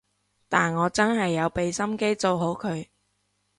但我真係有畀心機做好佢